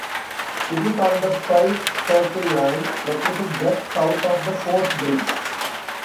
It is on the Fife Circle Line, located just south of the Forth Bridge.